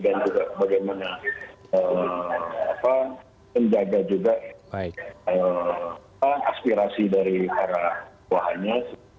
dan juga bagaimana menjaga juga aspirasi dari para bawahannya